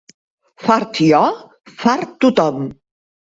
Fart jo, fart tothom.